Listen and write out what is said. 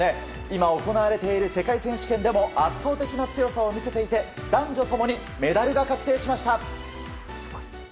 今、行われている世界選手権でも圧倒的な強さを見せていて男女共にメダルが確定しました。